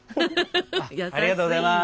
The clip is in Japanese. ありがとうございます。